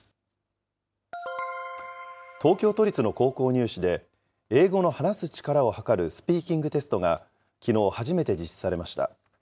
東京都立の高校入試で、英語の話す力をはかるスピーキングテストが、きのう初めて実施されました。